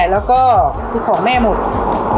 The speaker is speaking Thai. แล้วก็คือของแม่หมด